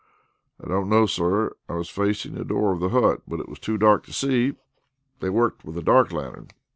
"I don't know, sir. I was facing the door of the hut, but it was too dark to see. They worked with a dark lantern."